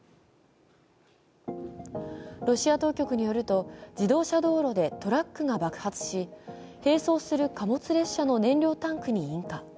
ロシア当局によると自動車道路でトラックが爆発し、並走する貨物列車の燃料タンクに引火。